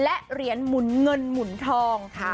และเหรียญหมุนเงินหมุนทอง